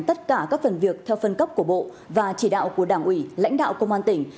tất cả các phần việc theo phân cấp của bộ và chỉ đạo của đảng ủy lãnh đạo công an tỉnh